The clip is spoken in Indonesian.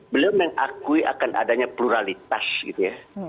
beliau mengakui akan adanya pluralitas gitu ya